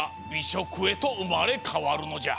しょくへとうまれかわるのじゃ。